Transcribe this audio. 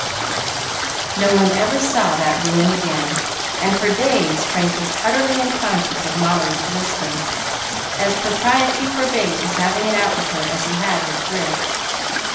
No one ever saw that ruin again, and for days Frank was utterly unconscious of Molly's existence, as propriety forbade his having it out with her as he had with Grif.